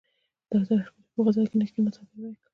ډاکټر حشمتي په خپل ځای کې نېغ کښېناسته او ويې ويل